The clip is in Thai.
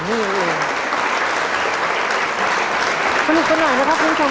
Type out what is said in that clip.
มันนี่ก่อนหน่อยนะครับท่านผู้ชม